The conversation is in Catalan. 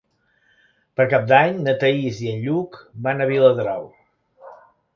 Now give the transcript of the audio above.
Per Cap d'Any na Thaís i en Lluc van a Viladrau.